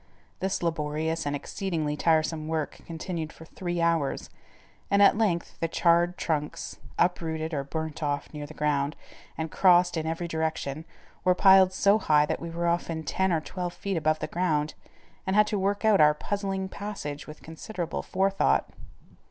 This laborious and exceedingly tiresome work continued for three hours, and at length the charred trunks, uprooted or burnt off near the ground, and crossed in every direction, were piled so high that we were often ten or twelve feet above the ground, and had to work out our puzzling passage with considerable forethought.